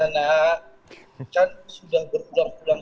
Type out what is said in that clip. nah kan sudah berulang ulang